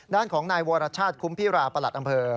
ด้านของนายวรชาติคุ้มพิราประหลัดอำเภอ